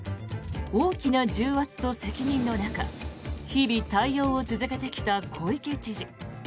大きな重圧と責任の中日々、対応を続けてきた小池知事。